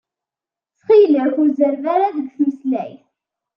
Ttxil-k, ur zerreb ara deg tmeslayt.